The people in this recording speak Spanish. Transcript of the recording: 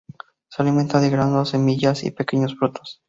Se alimenta de granos, semillas y pequeños frutos.